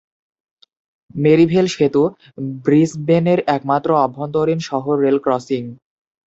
মেরিভেল সেতু ব্রিসবেনের একমাত্র অভ্যন্তরীণ-শহর rail crossing.